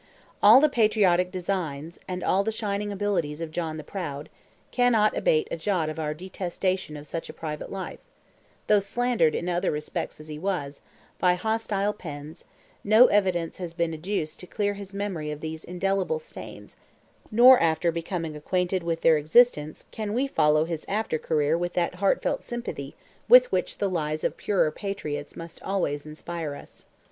All the patriotic designs, and all the shining abilities of John the Proud, cannot abate a jot of our detestation of such a private life; though slandered in other respects as he was, by hostile pens, no evidence has been adduced to clear his memory of these indelible stains; nor after becoming acquainted with their existence can we follow his after career with that heartfelt sympathy with which the lives of purer patriots must always inspire us.